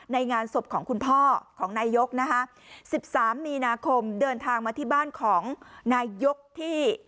งานศพของคุณพ่อของนายกนะคะ๑๓มีนาคมเดินทางมาที่บ้านของนายกที่